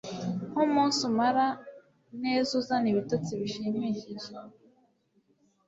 Nkumunsi umara neza uzana ibitotsi bishimishije,